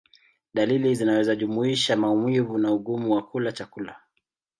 Dalili zinaweza kujumuisha maumivu na ugumu wa kula chakula.